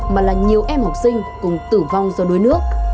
mà là nhiều em học sinh cùng tử vong do đuối nước